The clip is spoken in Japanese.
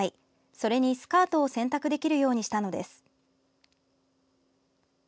それにスカートを選択できるようにしたのです。